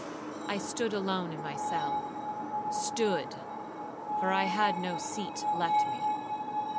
I stood alone in my cell,—stood, for I had no seat left me.